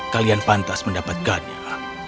kalian pantas mendapatkannya